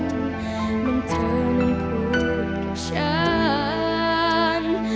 เหมือนเธอมันพูดกับฉัน